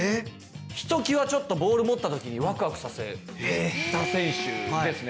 ひときわちょっとボール持った時にワクワクさせた選手ですね。